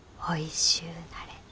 おいしゅうなれ。